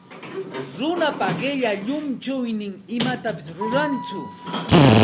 Runapa qilla llunchuynin imatapis rurantsu.